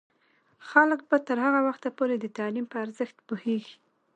خلک به تر هغه وخته پورې د تعلیم په ارزښت پوهیږي.